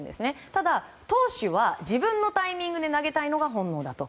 ただ、投手は自分のタイミングで投げたいのが本能だと。